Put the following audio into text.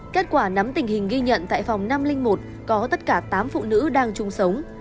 kết quả nắm tình hình ghi nhận tại phòng năm trăm linh một có tất cả tám phụ nữ đang chung sống